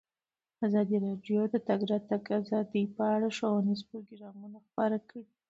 ازادي راډیو د د تګ راتګ ازادي په اړه ښوونیز پروګرامونه خپاره کړي.